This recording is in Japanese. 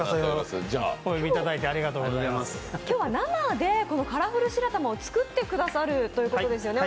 今日は生でカラフル白玉を作ってくださるということですね。